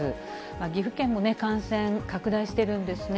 岐阜県も感染拡大してるんですね。